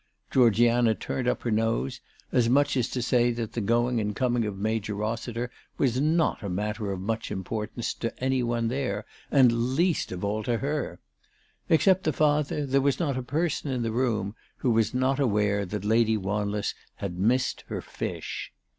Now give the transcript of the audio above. Georgiana turned up her nose, as much as to say that the going and coming of Major Rossiter was not a matter of much importance to any one there, and, least of all, to her. Except the father, there was not a person in the room who was not aware that Lady Wanless had missed her fish.